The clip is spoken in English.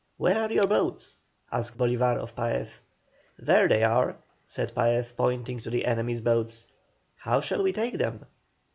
"Where are your boats?" asked Bolívar of Paez. "There they are," said Paez, pointing to the enemy's boats. "How shall we take them?"